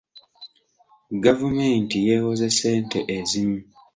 Gavumenti yeewoze ssente ezimu.